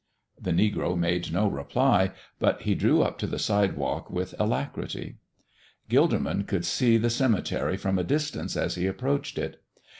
The negro made no reply, but he drew up to the sidewalk with alacrity. Gilderman could see the cemetery from a distance as he approached it.